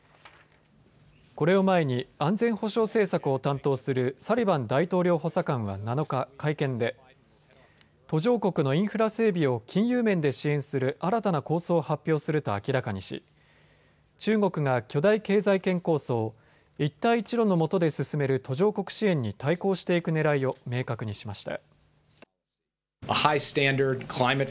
これを前に安全保障政策を担当するサリバン大統領補佐官は７日、会見で途上国のインフラ整備を金融面で支援する新たな構想を発表すると明らかにし中国が巨大経済圏構想、一帯一路のもとで進める途上国支援に対抗していくねらいを明確にしました。